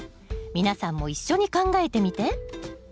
皆さんも一緒に考えてみて。